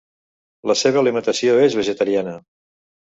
La seva alimentació és vegetariana.